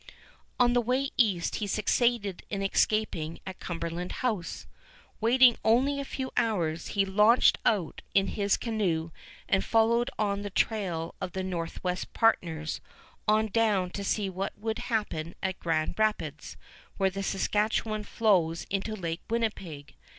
On the way east he succeeded in escaping at Cumberland House. Waiting only a few hours, he launched out in his canoe and followed on the trail of the Northwest partners, on down to see what would happen at Grand Rapids, where the Saskatchewan flows into Lake Winnipeg.